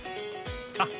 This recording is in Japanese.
あっ